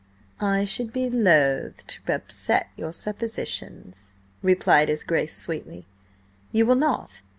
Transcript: "I should be loth to upset your suppositions," replied his Grace sweetly. "You will not?